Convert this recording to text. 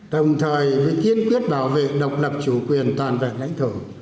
đồng thời với kiên quyết bảo vệ độc lập chủ quyền toàn vẹn lãnh thổ